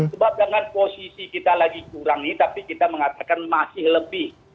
sebab dengan posisi kita lagi kurang nih tapi kita mengatakan masih lebih